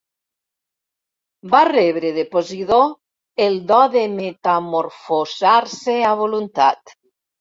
Va rebre de Posidó el do de metamorfosar-se a voluntat.